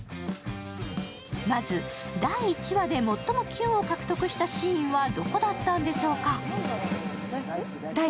まず、第１話で最もキュンを獲得したシーンはどこだったのでしょうか？